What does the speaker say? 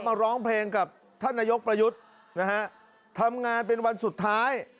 มาร้องเพลงกับท่านนายกประยุทธ์นะฮะทำงานเป็นวันสุดท้าย